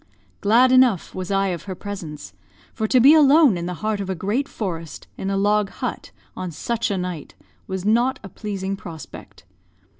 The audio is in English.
Glad enough was I of her presence; for to be alone in the heart of a great forest, in a log hut, on such a night, was not a pleasing prospect.